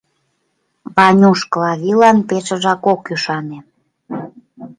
— Ванюш Клавилан пешыжак ок ӱшане.